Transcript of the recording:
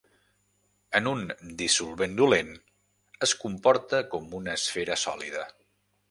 En un dissolvent dolent es comporta com una esfera sòlida.